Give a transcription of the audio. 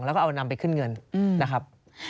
แล้วก็เอานำไปขึ้นเงินนะครับ